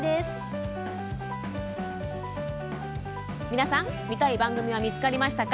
皆さん、見たい番組は見つかりましたか？